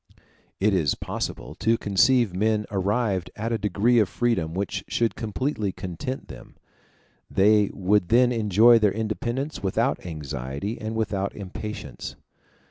It is possible to conceive men arrived at a degree of freedom which should completely content them; they would then enjoy their independence without anxiety and without impatience.